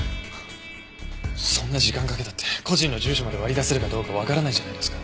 そんな時間かけたって個人の住所まで割り出せるかどうかわからないじゃないですか。